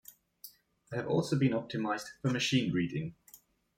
They have also been optimised for machine reading.